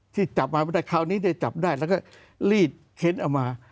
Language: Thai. ที่จับมาไม่ได้คราวนี้ได้จับได้แล้วก็รีดเค้นเอามา